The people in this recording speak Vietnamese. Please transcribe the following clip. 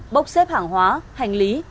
bốc xếp hàng hóa hành lý